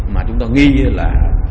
mà chúng tôi nghi là